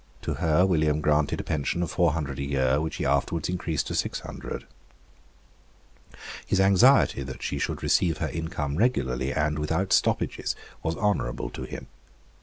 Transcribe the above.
To her William granted a pension of four hundred a year, which he afterwards increased to six hundred. His anxiety that she should receive her income regularly and without stoppages was honourable to him.